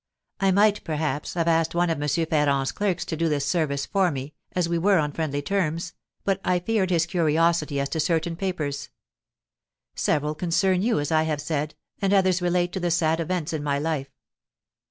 I might, perhaps, have asked one of M. Ferrand's clerks to do this service for me, as we were on friendly terms, but I feared his curiosity as to certain papers. Several concern you, as I have said, and others relate to the sad events in my life.